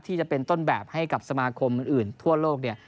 ที่จะเป็นต้นแบบให้กับสมาคมอื่นทั่วโลกเนี่ย